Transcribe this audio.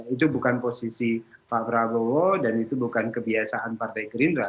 itu bukan posisi pak prabowo dan itu bukan kebiasaan partai gerindra